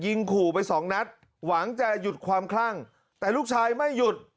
ขู่ไปสองนัดหวังจะหยุดความคลั่งแต่ลูกชายไม่หยุด